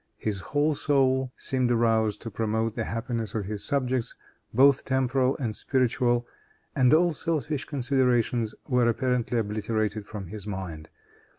His whole soul seemed aroused to promote the happiness of his subjects, both temporal and spiritual, and all selfish considerations were apparently obliterated from his mind.